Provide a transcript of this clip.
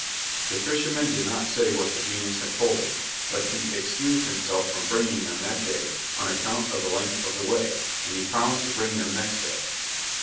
The fisherman did not say what the genius had told him, but he excused himself from bringing them that day on account of the length of the way, and he promised to bring them next day.